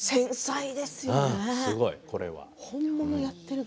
すごいこれは。